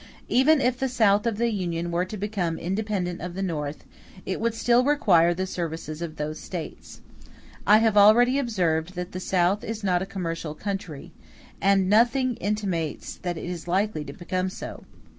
Even if the South of the Union were to become independent of the North, it would still require the services of those States. I have already observed that the South is not a commercial country, and nothing intimates that it is likely to become so.